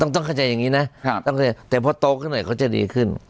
ต้องเข้าใจอย่างนี้นะตั้งใจแต่พอโตขึ้นหน่อยเขาจะดีขึ้น